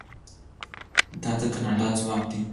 دا د کاناډا ځواک دی.